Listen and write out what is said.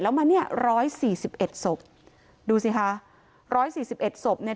แล้วมาเนี่ยร้อยสี่สิบเอ็ดศพดูสิคะร้อยสี่สิบเอ็ดศพเนี่ย